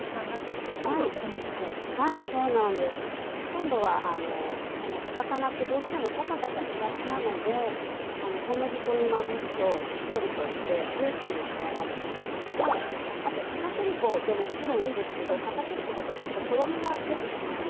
今度はこのお魚ってどうしてもパサパサしがちなので小麦粉にまぶすとしっとりとしてジューシーに仕上がるっていうのとあとかたくり粉でももちろんいいんですけどかたくり粉だとちょっととろみが出てしまう。